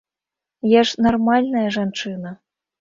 Я ж нармальная жанчына!